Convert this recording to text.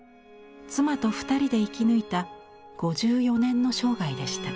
妻と２人で生き抜いた５４年の生涯でした。